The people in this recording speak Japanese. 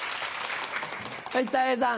はいたい平さん。